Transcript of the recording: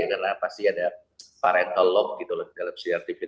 karena pasti ada parental log gitu dalam crtvt